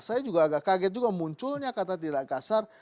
saya juga agak kaget juga munculnya kata tidak kasar